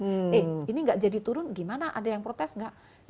eh ini nggak jadi turun gimana ada yang protes nggak